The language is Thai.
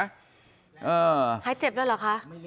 หายเจ็บด้วยเหรอคะ